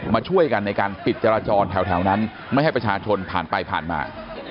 มาช่วยกันในการปิดจราจรแถวนั้นไม่ให้ประชาชนผ่านไปผ่านมา